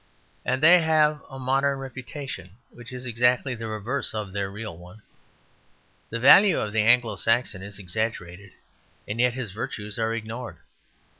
And they have a modern reputation which is exactly the reverse of their real one. The value of the Anglo Saxon is exaggerated, and yet his virtues are ignored.